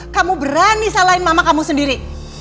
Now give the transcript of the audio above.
kamu berani salahin mama kamu sendiri